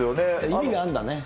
意味があんだね。